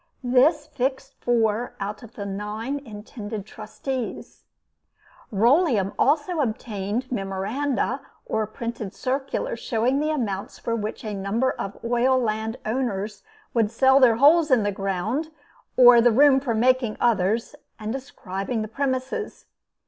This fixed four out of the nine intended trustees. Rolleum also obtained memoranda or printed circulars showing the amounts for which a number of oil land owners would sell their holes in the ground or the room for making others, and describing the premises.